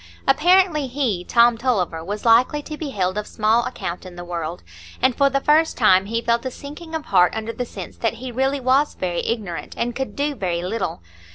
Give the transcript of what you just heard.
Apparently he, Tom Tulliver, was likely to be held of small account in the world; and for the first time he felt a sinking of heart under the sense that he really was very ignorant, and could do very little.